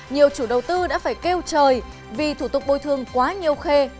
nhiều chủ đầu tư đã phải kêu trời vì thủ tục bồi thường quá nhiều khê